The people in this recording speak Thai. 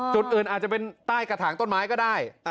จุดอื่นอาจจะเป็นใต้กระถางต้นไม้ก็ได้